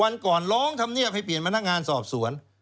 วันก่อนร้องทำเนียบให้เปลี่ยนมาท่างงานสอบสวน